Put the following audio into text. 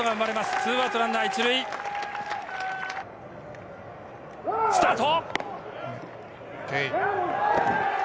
２アウト、ランナー１塁。スタート。